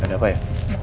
ada apa ya